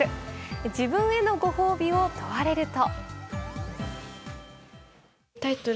自分へのご褒美を問われると。